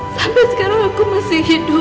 sampai sekarang aku masih hidup